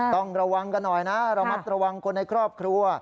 ต้องระวังกันหน่อยนะระมัดระวังคนในครอบครัว